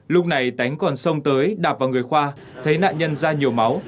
lúc này tánh còn xông tới đạp vào người khoa thấy nạn nhân ra nhiều máu